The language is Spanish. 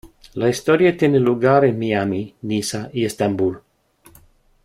La historia tiene lugar en Miami, Niza y Estambul.